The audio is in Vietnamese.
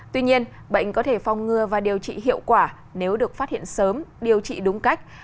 tuy nhiên bệnh có thể phong ngừa và điều trị hiệu quả nếu được phát hiện sớm điều trị đúng cách